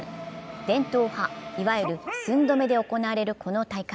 伝統派、いわゆる寸止めで行われるこの大会。